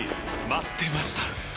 待ってました！